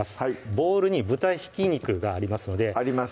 ボウルに豚ひき肉がありますのであります